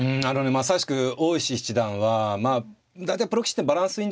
まさしく大石七段はまあ大体プロ棋士ってバランスいいんですけどね